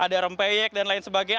ada rempeyek dan lain sebagainya